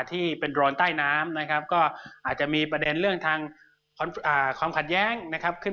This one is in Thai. ที่เป็นโรนใต้น้ำนะครับก็อาจจะมีประเด็นเรื่องทางความขัดแย้งนะครับขึ้น